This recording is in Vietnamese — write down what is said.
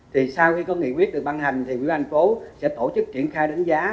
thì sau khi có nghị quyết được băng hành thì quỹ thành phố sẽ tổ chức triển khai đánh giá